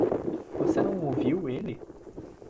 Você não ouviu ele?